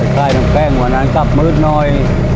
ค่ายน้องแป้งวันนั้นกลับมืดหน่อย